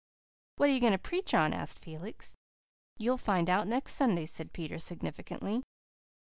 "What are you going to preach on?" asked Felix. "You'll find out next Sunday," said Peter significantly.